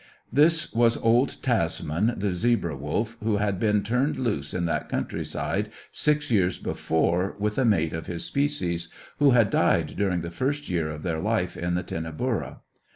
This was old Tasman, the Zebra Wolf, who had been turned loose in that countryside six years before with a mate of his species, who had died during the first year of their life in the Tinnaburra.